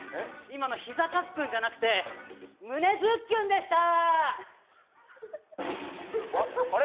今の膝カックンじゃなくて胸ずっきゅんでした。